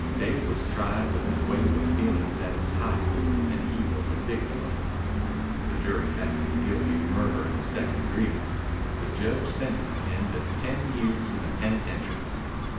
Dave was tried when this wave of feeling was at its height and he was a victim of it. The jury found him guilty of murder in the second degree. The judge sentenced him to ten years in the penitentiary.